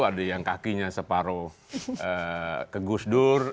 ada yang kakinya separuh ke gus dur